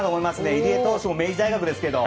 入江投手も明治大学ですけど。